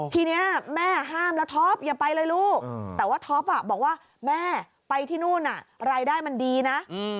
ทีนี้แม่ห้ามแล้วท็อปอย่าไปเลยลูกแต่ว่าท็อปบอกว่าแม่ไปที่นู่นรายได้มันดีนะ